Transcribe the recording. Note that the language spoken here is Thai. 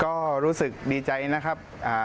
ก็รู้สึกดีใจนะครับ